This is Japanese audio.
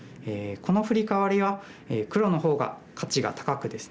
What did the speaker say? このフリカワリは黒の方が価値が高くですね